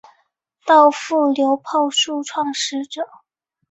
稻富流炮术创始者。